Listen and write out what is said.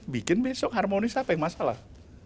bikin besok harmonis apa yang masalah